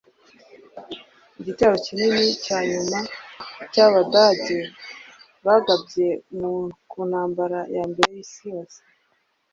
igitero kinini cya nyuma cy'abadage bagabye ku ntambara ya mbere y'isi yose